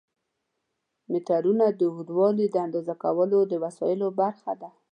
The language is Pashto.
میټرونه د اوږدوالي د اندازه کولو د وسایلو برخه ده.